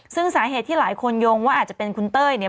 ซึ่งสาเหตุที่หลายคนยงว่าอาจจะเป็นคุณเต้ยเนี่ย